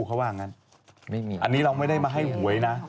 เขาว่างั้นอันนี้เราไม่ได้มาให้หวยนะ